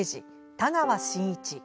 田川信一。